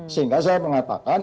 sehingga saya mengatakan